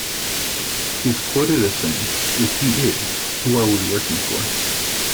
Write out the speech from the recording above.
He is quoted as saying, The key is who are we working for?